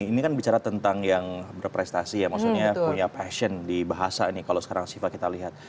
ini kan bicara tentang yang berprestasi ya maksudnya punya passion di bahasa nih kalau sekarang siva kita lihat